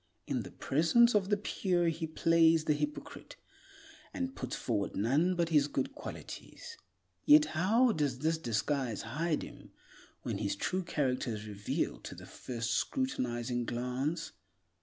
In the presence of the pure he plays the hypocrite, and puts forward none but his good qualities. Yet how does this disguise hide him when his true character is revealed to the first scrutinizing glance?